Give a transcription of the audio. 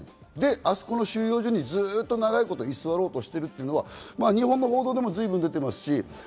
あの収容所にずっと長いこと居座ろうとしているのは日本の報道でも随分と出ています。